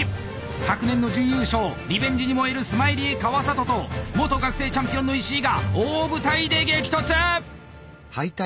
昨年の準優勝リベンジに燃えるスマイリー川里と元学生チャンピオンの石井が大舞台で激突！